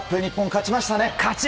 勝ちましたね！